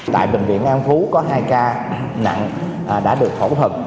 tại bệnh viện an phú có hai ca nặng đã được thổ thật